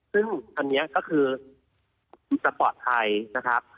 ซึ่งอันนี้ก็คือจะปลอดภัยนะครับ